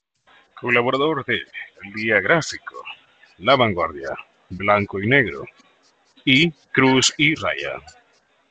Colaborador de "El Día Gráfico", "La Vanguardia", "Blanco y Negro" y "Cruz y Raya".